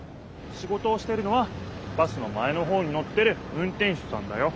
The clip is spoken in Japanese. シゴトをしてるのはバスの前のほうにのってる運転手さんだよ。